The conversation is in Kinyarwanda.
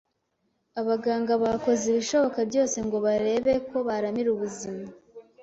Abaganga bakoze ibishoboka byose ngo barebe ko baramira ubuzima